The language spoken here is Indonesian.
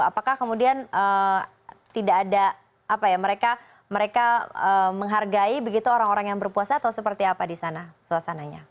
apakah kemudian tidak ada apa ya mereka menghargai begitu orang orang yang berpuasa atau seperti apa di sana suasananya